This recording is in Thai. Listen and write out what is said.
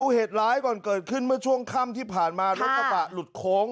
เหตุร้ายก่อนเกิดขึ้นเมื่อช่วงค่ำที่ผ่านมารถกระบะหลุดโค้ง